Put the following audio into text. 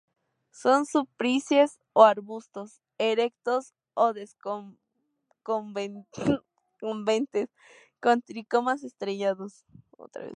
Son sufrútices o arbustos, erectos o decumbentes, con tricomas estrellados.